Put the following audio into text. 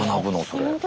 それ。